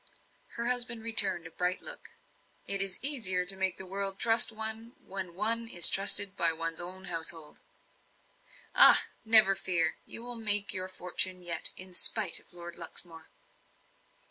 Her husband returned a bright look. "It is easier to make the world trust one, when one is trusted by one's own household." "Ah! never fear; you will make your fortune yet, in spite of Lord Luxmore."